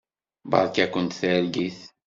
Beṛka-kent targit.